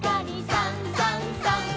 「さんさんさん」